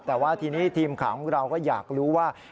แต่ว่าทีนี้ทีมข่าวของเราก็อยากรู้ว่า